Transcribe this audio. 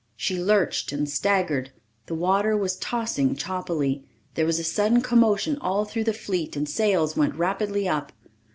She lurched and staggered. The water was tossing choppily. There was a sudden commotion all through the fleet and sails went rapidly up.